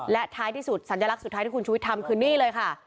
และท้ายที่สุดสัญลักษณ์สุดท้ายที่คุณชุวิตทำคือนี่เลยค่ะ